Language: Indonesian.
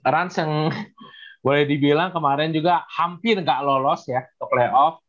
ranz yang boleh dibilang kemarin juga hampir gak lolos ya ke play off